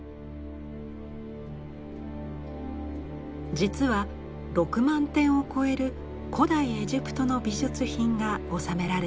実は６万点を超える古代エジプトの美術品が収められています。